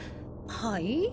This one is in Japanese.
はい？